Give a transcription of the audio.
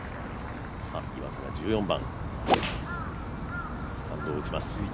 岩田も１４番。